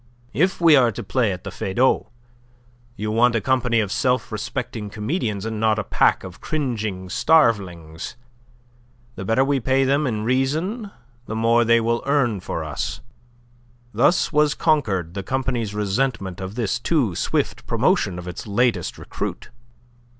"If we are to play at the Feydau, you want a company of self respecting comedians, and not a pack of cringing starvelings. The better we pay them in reason, the more they will earn for us." Thus was conquered the company's resentment of this too swift promotion of its latest recruit.